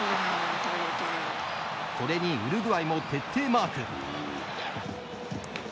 これにウルグアイも徹底マーク。